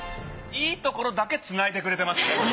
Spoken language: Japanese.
いいところだけつないでくれてますね。